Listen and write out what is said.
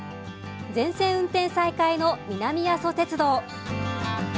全線運転再開の南阿蘇鉄道。